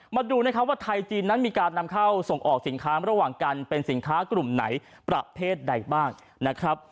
มาดูนะครับว่าไทยจีนนั้นมีการนำเข้าส่งออกสินค้าระหว่างกันเป็นสินค้ากลุ่มไหนประเภทใดบ้างนะครับ